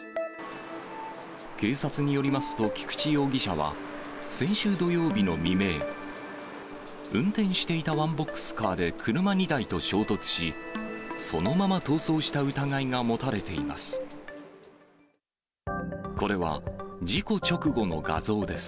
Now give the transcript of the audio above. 警察によりますと、菊地容疑者は、先週土曜日の未明、運転していたワンボックスカーで車２台と衝突し、そのまま逃走した疑いが持たれています。